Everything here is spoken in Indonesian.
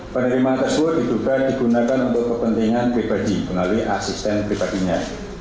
penerimaan tersebut diduga digunakan untuk kepentingan pribadi melalui asisten pribadinya